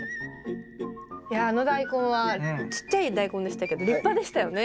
いやあのダイコンはちっちゃいダイコンでしたけど立派でしたよね。